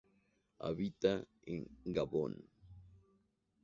Habita en Gabón.